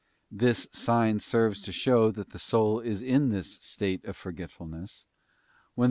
This sign serves to show that the soul is in this state of forgetfulness, when this know * Ps, ci.